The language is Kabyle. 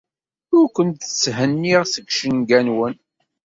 Ur ken-tthenniɣ seg yicenga-nwen.